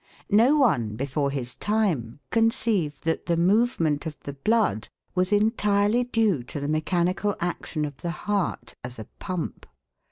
No one, before his time, conceived that the movement of the blood was entirely due to the mechanical action of the heart as a pump.